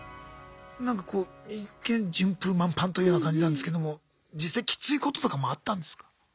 なんかこう一見順風満帆というような感じなんですけども実際きついこととかもあったんですか？